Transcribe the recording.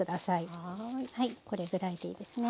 はいこれぐらいでいいですね。